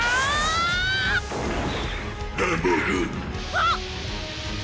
あっ！